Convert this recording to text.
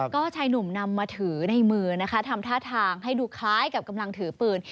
ก็ชายหนุ่มนำมาถือในมือนะคะทำท่าทางให้ดูคล้ายกับกำลังถือปืน